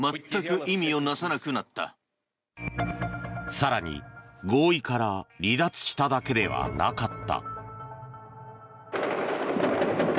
更に、合意から離脱しただけではなかった。